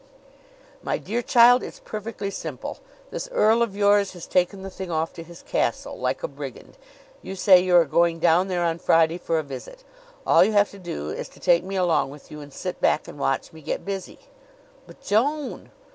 "My dear child, it's perfectly simple. This earl of yours has taken the thing off to his castle, like a brigand. You say you are going down there on Friday for a visit. All you have to do is to take me along with you, and sit back and watch me get busy." "But, Joan!"